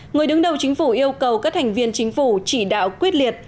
người đứng đầu chính phủ yêu cầu các thành viên chính phủ chỉ đạo quyết liệt